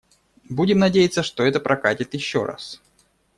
Будем надеяться, что это «прокатит» ещё раз.